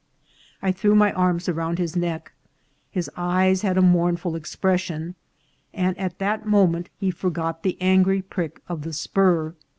I threw my arms around his neck ; his eyes had a mournful expression, and at that moment he forgot the angry prick of the spur.